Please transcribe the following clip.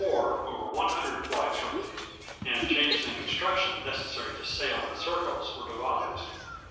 ] During 1904 over one hundred flights were made, and changes in construction necessary to sail in circles were devised.